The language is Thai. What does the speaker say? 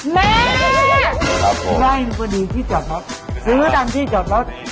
แม่ไล่พอดีที่จอดรถซื้อตามที่จอดรถ